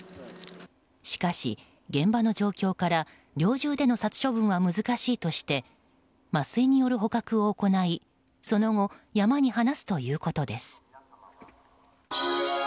しかし、現場の状況から猟銃での殺処分は難しいとして麻酔による捕獲を行いその後、山に放すということです。